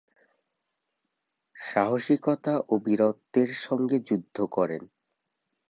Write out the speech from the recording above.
সাহসিকতা ও বীরত্বের সঙ্গে যুদ্ধ করেন।